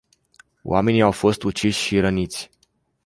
Oameni au fost uciși și răniți.